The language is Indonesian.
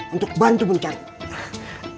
untuk bantu mencari